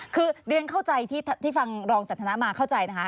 คือเรียนเข้าใจที่ฟังรองสันทนามาเข้าใจนะคะ